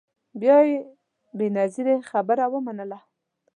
بیا یې بنظیري خبره ومنله